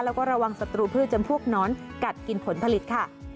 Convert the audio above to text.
แล้วก็ระวังศัตรูพืชจำพวกน้อนกัดกินผลผลิตค่ะ